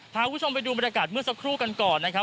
พาคุณผู้ชมไปดูบรรยากาศเมื่อสักครู่กันก่อนนะครับ